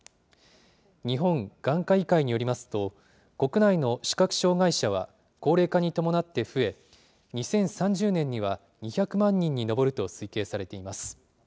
日本眼科医会によりますと、国内の視覚障害者は、高齢化に伴って増え、２０３０年には、２００万人に上ると推計されています。